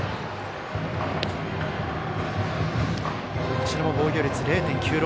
こちらも防御率０．９６。